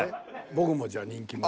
僕もじゃあ人気者。